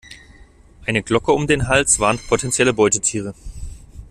Eine Glocke um den Hals warnt potenzielle Beutetiere.